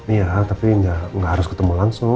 iya tapi nggak harus ketemu langsung